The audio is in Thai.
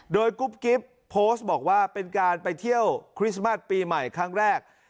โดยกุ๊บกิ๊บโพสต์บอกว่าเป็นการไปเที่ยวคริสต์มัสปีใหม่ครั้งแรก